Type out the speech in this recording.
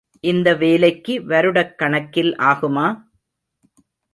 இந்த வேலைக்கு வருடக் கணக்கில் ஆகுமா?